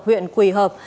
huyện quỳ hợp